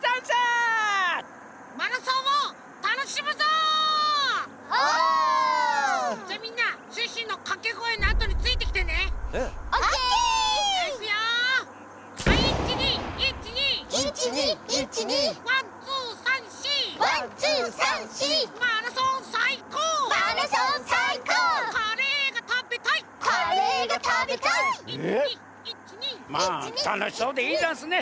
まあたのしそうでいいざんすね。